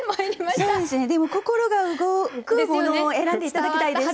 そうですねでも心が動くものを選んで頂きたいです。